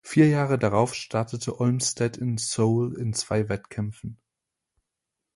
Vier Jahre darauf startete Olmsted in Seoul in zwei Wettkämpfen.